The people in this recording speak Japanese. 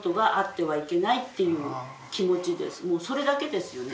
もうそれだけですよね。